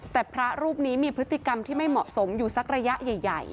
แต่พระรูปนี้มีพฤติกรรมที่ไม่เหมาะสมอยู่สักระยะใหญ่